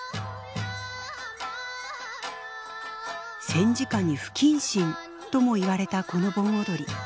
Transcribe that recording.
「戦時下に不謹慎」ともいわれたこの盆踊り